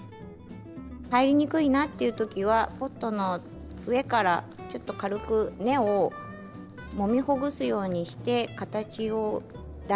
入りにくいなっていう時はポットの上からちょっと軽く根をもみほぐすようにして形をだ